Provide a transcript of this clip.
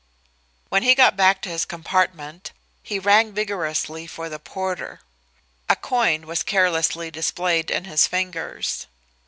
When he got back to his compartment he rang vigorously for the porter. A coin was carelessly displayed in his fingers.